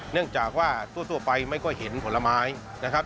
เนื่องจากว่าทั่วไปไม่ค่อยเห็นผลไม้นะครับ